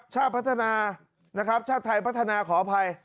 ชาติพัฒนานะครับชาติไทยพัฒนาขออภัย